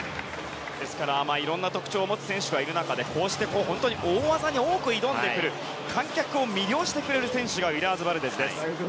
いろいろな特徴を持つ選手がいる中でこうして本当に大技に多く挑んでくる観客を魅了してくれる選手がウィラーズバルデズです。